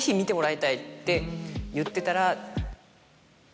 って言ってたら。